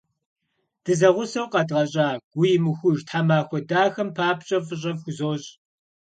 Дызэгъусэу къэдгъэщӏа гуимыхуж тхьэмахуэ дахэм папщӏэ фӏыщӏэ фхузощӏ!